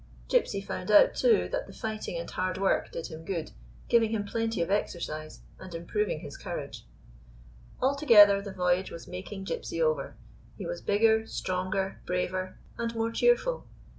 Gypsy found out, too, that the fighting and hard work did him good, giving 142 GYPSY'S VOYAGE liim plenty of exercise, and improving his courage. Altogether, the voyage was making Gypsy over. He was bigger, stronger, braver and more cheerful.